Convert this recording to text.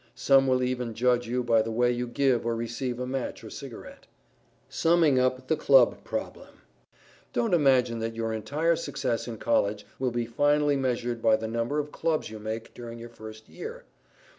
Some will even judge you by the way you give or receive a match or cigarette. [Sidenote: SUMMING UP THE CLUB PROBLEM] Don't imagine that your entire success in College will be finally measured by the number of Clubs you make during your first year.